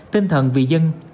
tinh thần vì dân